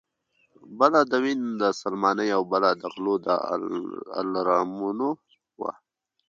بله د وین د سلماني او بله د غلو د الارمونو وه